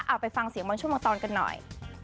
เอาไปฟังเสียงบางช่วงบางตอนกันหน่อย